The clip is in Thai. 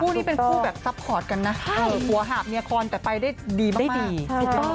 ผู้นี้เป็นผู้แบบซัพพอร์ตกันนะใช่หัวหาบเนียครแต่ไปได้ดีมาก